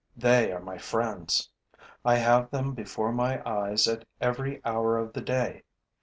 They are my friends. I have them before my eyes at every hour of the day.